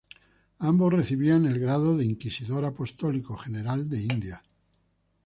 Ambos recibían el grado de "inquisidor apostólico general de Indias".